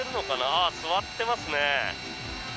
あ、座ってますね。